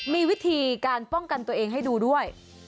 มีวิธีการป้องกันตัวเองให้ดูด้วย